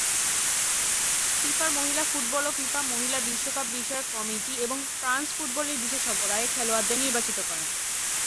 ফিফার মহিলা ফুটবল ও ফিফা মহিলা বিশ্বকাপ বিষয়ক কমিটি এবং ফ্রান্স ফুটবলের বিশেষজ্ঞরা এই খেলোয়াড়দের নির্বাচিত করেন।